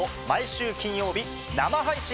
毎週金曜日生配信